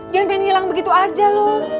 jangan pengen ngilang begitu aja loh